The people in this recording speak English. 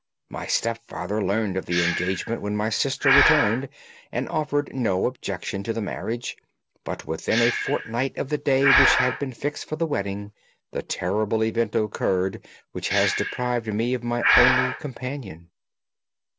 My stepfather learned of the engagement when my sister returned and offered no objection to the marriage; but within a fortnight of the day which had been fixed for the wedding, the terrible event occurred which has deprived me of my only companion."